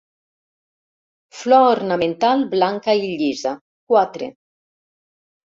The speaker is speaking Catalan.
Flor ornamental blanca i llisa; quatre.